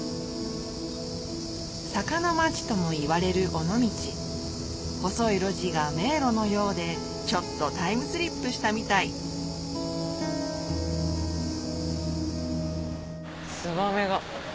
坂の町ともいわれる尾道細い路地が迷路のようでちょっとタイムスリップしたみたいツバメが。